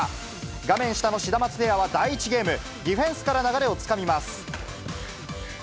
画面下のシダマツペアは第１ゲーム、ディフェンスから流れをつかみます。